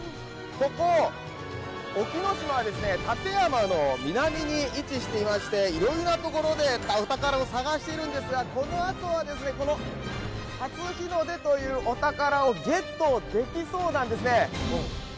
ここ沖ノ島は館山の南に位置していましていろいろなところでお宝を探しているんですが、このあとは初日の出というお宝をゲットできそうなんですね。